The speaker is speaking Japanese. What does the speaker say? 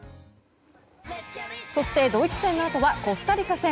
そして、ドイツ戦のあとはコスタリカ戦。